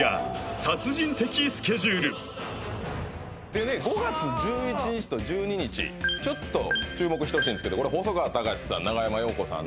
でね５月１１日と１２日はあちょっと注目してほしいんですけどこれ細川たかしさん